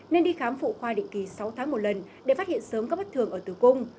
nên đi khám phụ khoa định kỳ sáu tháng một lần để phát hiện sớm các bất thường ở tử cung